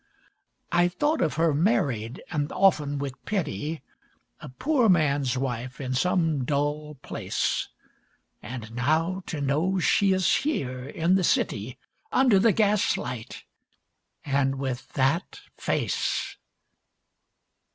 I thought of her married, and often with pity, A poor man's wife in some dull place. And now to know she is here in the city, Under the gaslight, and with that face!